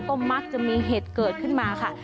ก็มักจะมีเหตุเกิดขึ้นมาค่ะ